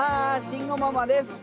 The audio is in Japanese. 慎吾ママです。